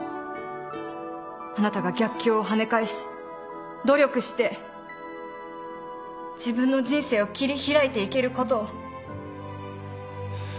あなたが逆境をはね返し努力して自分の人生を切り開いていけることを。